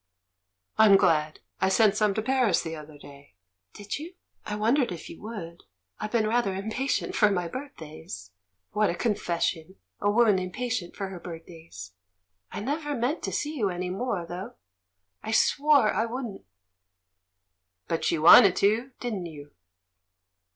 "I'm glad. I sent some to Paris the other day." "Did you? I wondered if you would; I've been rather impatient for my birthdays. What a con fession — a woman impatient for her birthdays! I never meant to see you any more, though; I swore I wouldn't." "But you wanted to, didn't you?"